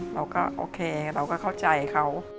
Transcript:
เราก็โอเคเราก็เข้าใจเขา